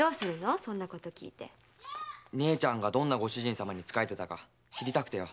姉ちゃんがどんなご主人様に仕えてたか知りたくてよ。